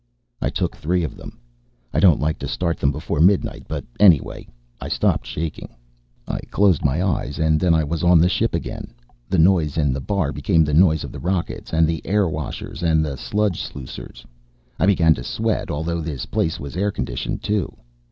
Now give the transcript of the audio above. _ I took three of them. I don't like to start them before midnight, but anyway I stopped shaking. I closed my eyes, and then I was on the ship again. The noise in the bar became the noise of the rockets and the air washers and the sludge sluicers. I began to sweat, although this place was air conditioned, too.